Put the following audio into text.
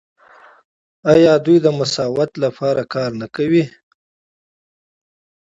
آیا دوی د مساوات لپاره کار نه کوي؟